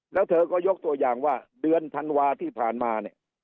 แล้วเธอก็ยกตัวอย่างว่าเดือนธันวาที่ผ่านมาเนี่ย